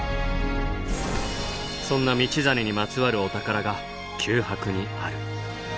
そんな道真にまつわるお宝が九博にある。